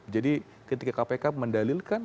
jadi ketika kpk mendalilkan